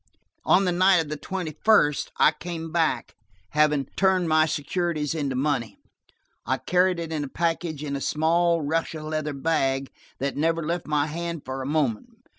On the night of the twenty first, I came back, having turned my securities into money. I carried it in a package in a small Russia leather bag that never left my hand for a moment.